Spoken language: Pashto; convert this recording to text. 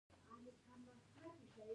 ایا مصنوعي ځیرکتیا د بېکارۍ وېره نه زیاتوي؟